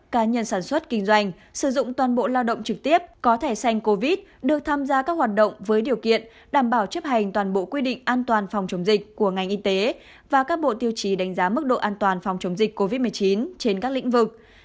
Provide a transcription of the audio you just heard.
cá nhân sản xuất kinh doanh sử dụng toàn bộ lao động trực tiếp có thẻ xanh covid được tham gia các hoạt động với điều kiện đảm bảo chấp hành toàn bộ quy định an toàn phòng chống dịch của ngành y tế và các bộ tiêu chí đánh giá mức độ an toàn phòng chống dịch covid một mươi chín trên các lĩnh vực